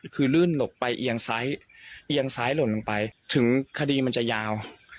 คือลื่นหลบไปเอียงซ้ายเอียงซ้ายหล่นลงไปถึงคดีมันจะยาว